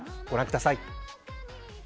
ご覧ください。